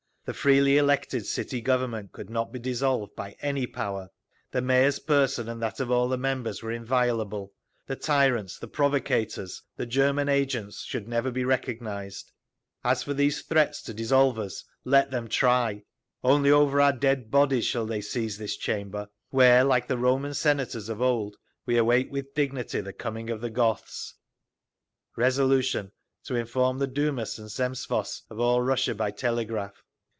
The freely elected City Government could not be dissolved by any power; the Mayor's person and that of all the members were inviolable; the tyrants, the provocators, the German agents should never be recognised; as for these threats to dissolve us, let them try—only over our dead bodies shall they seize this chamber, where like the Roman senators of old we await with dignity the coming of the Goths…. Resolution, to inform the Dumas and Zemstvos of all Russia by telegraph.